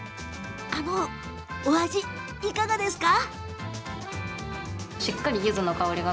お味、いかがですか？